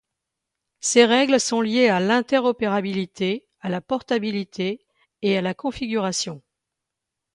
Ces règles sont liées à l’interopérabilité, à la portabilité et à la configuration.